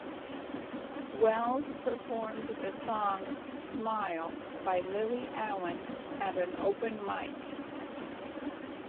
Wells performed the song "Smile" by Lily Allen at an open mic.